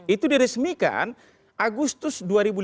itu diresmikan agustus dua ribu lima belas